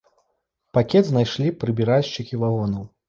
Пакет знайшлі прыбіральшчыкі вагонаў.